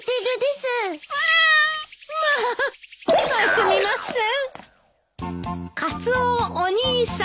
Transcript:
すみません。